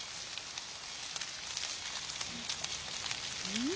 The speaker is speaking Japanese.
うん。